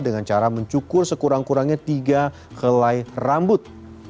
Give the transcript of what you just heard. dengan cara mencukur sekurang kurangnya tiga helai rambut